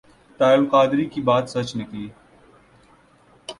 طاہر القادری کی بات سچ نکلی ۔